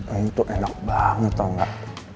ini tuh enak banget tau gak